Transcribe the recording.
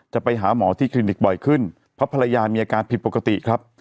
ไปหาหมอที่คลินิกบ่อยขึ้นเพราะภรรยามีอาการผิดปกติครับ